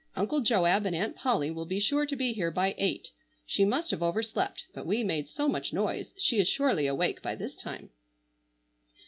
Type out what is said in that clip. Uncle Joab and Aunt Polly will be sure to be here by eight. She must have overslept, but we made so much noise she is surely awake by this time."